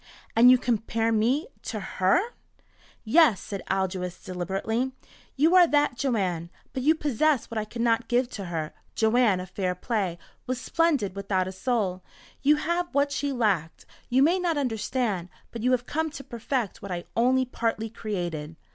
"And you compare me to her?" "Yes," said Aldous deliberately. "You are that Joanne. But you possess what I could not give to her. Joanne of 'Fair Play' was splendid without a soul. You have what she lacked. You may not understand, but you have come to perfect what I only partly created."